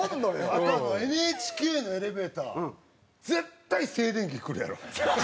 あとＮＨＫのエレベーター絶対静電気くるやろ？